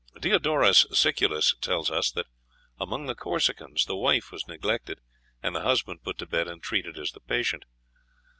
Diodorus Siculus tells us that among the Corsicans the wife was neglected, and the husband put to bed and treated as the patient.